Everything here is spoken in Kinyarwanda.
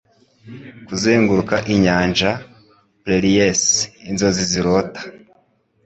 Kuzenguruka inyanja, prairies 'inzozi zirota,